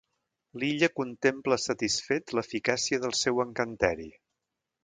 L'Illa contempla satisfet l'eficàcia del seu encanteri.